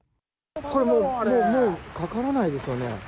これ、もう、かからないですよね。